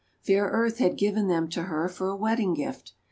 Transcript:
Fair Earth had given them to her for a wedding gift.